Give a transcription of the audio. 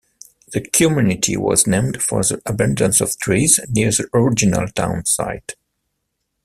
The community was named for the abundance of trees near the original town site.